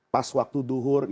pas waktu duhur